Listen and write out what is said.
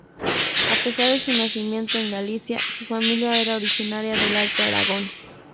A pesar de su nacimiento en Galicia, su familia era originaria del Alto Aragón.